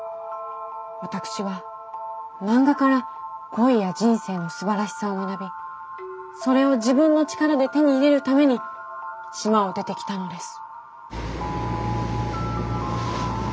私は漫画から恋や人生のすばらしさを学びそれを自分の力で手に入れるために島を出てきたのです。